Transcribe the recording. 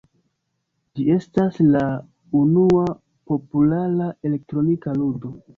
Ĝi estis la unua populara elektronika ludo.